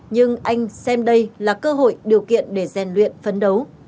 nhưng anh xem đây là cơ hội điều kiện để rèn luyện phấn đấu